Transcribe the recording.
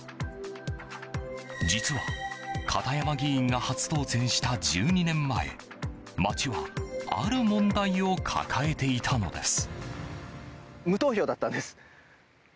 実は、片山議員が初当選した１２年前町はある問題を抱えていたのです。